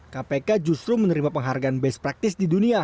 kpk justru menerima penghargaan best practice di dunia